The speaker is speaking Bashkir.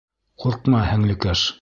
Ҡурҡма, һеңлекәш.